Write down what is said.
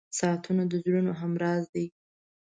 • ساعتونه د زړونو همراز دي.